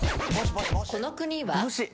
この国は？